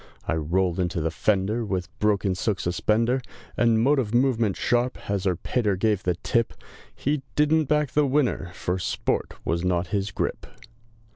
I rolled into the fender, With broken silk suspender, And motive movement sharp, as Her Pater gave the tip! He didn't back the winner, For sport was not his grip.